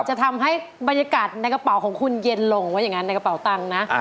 จะทำให้บรรยากาศในกระเป๋าของคุณเย็นลงว่าอย่างนั้นในกระเป๋าตังค์นะ